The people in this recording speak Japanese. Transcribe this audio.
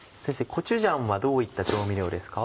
コチュジャンはどういった調味料ですか？